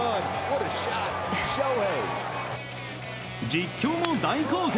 実況も大興奮！